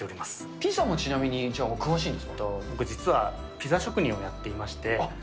ピザもちなみに、じゃあ、僕、実はピザ職人をやっていまして。